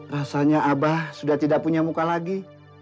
rasanya abah sudah tidak punya muka lagi